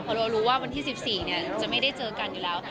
เพราะเรารู้ว่าวันที่๑๔จะไม่ได้เจอกันอยู่แล้ว